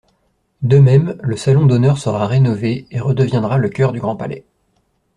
De même, le salon d'honneur sera rénové et redeviendra le cœur du Grand Palais.